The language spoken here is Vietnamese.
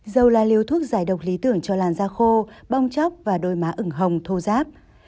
dầu là liều thuốc giải độc lý tưởng cho làn da khô bong chóc và đôi má ửng hồng thô giáp